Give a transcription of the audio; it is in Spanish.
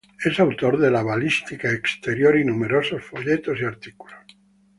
Es autor de la Balística Exterior y numerosos folletos y artículos.